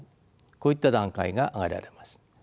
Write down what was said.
こういった段階が挙げられます。